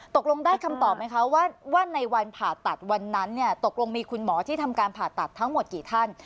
ตกลงได้คำตอบไหมคะว่าในวันผ่าตัดวันนั้นเนี่ยตกลงมีคุณหมอที่ทำการผ่าตัดทั้งหมดกี่ท่าน